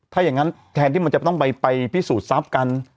ถ้าอย่างนั้นแทนที่มันจะต้องไปพิสูจน์ทรัพย์กัน